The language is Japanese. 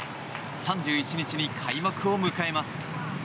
３１日に開幕を迎えます。